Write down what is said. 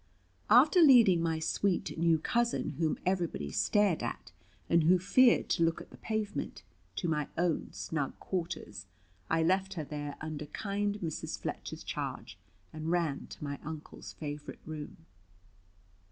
After leading my sweet new cousin whom everybody stared at, and who feared to look at the pavement to my own snug quarters, I left her there under kind Mrs. Fletcher's charge, and ran to my Uncle's favourite room.